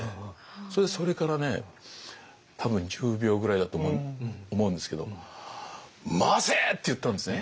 それでそれからね多分１０秒ぐらいだと思うんですけど「回せ！」って言ったんですね。